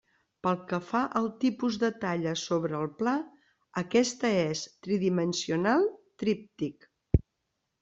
Pel que fa al tipus de talla sobre el pla, aquesta és tridimensional -tríptic-.